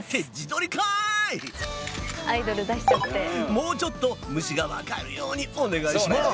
もうちょっと虫がわかるようにお願いします！